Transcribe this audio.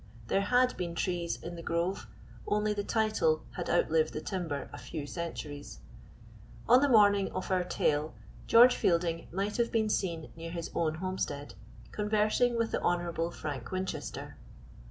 There had been trees in "The Grove," only the title had outlived the timber a few centuries. On the morning of our tale George Fielding might have been seen near his own homestead, conversing with the Honorable Frank Winchester.